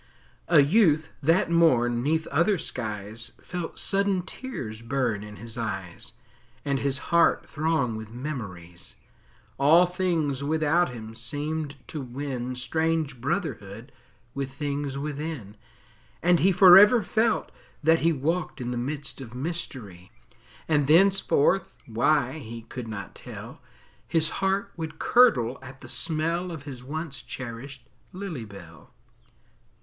A youth, that morn, 'neath other skies, Felt sudden tears burn in his eyes, And his heart throng with memories; All things without him seemed to win Strange brotherhood with things within, And he forever felt that he Walked in the midst of mystery, And thenceforth, why, he could not tell, His heart would curdle at the smell Of his once cherished lily bell.